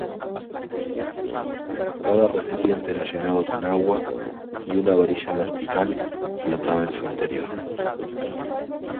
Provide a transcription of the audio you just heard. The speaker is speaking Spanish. Cada recipiente era llenado con agua y una varilla vertical flotaba en su interior.